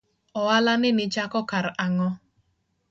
Oala ni nichako kar ang'o?